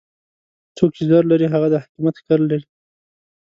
څوک چې زر لري هغه د حاکميت ښکر لري.